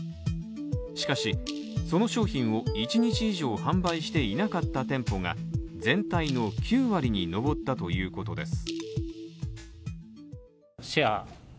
しかし、その商品を１日以上販売していなかった店舗が全体の９割に上ったということです